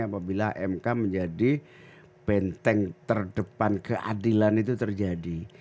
apabila mk menjadi benteng terdepan keadilan itu terjadi